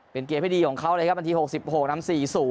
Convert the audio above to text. เป็นเกมที่ดีของเขาเลยครับนาที๖๖นำ๔๐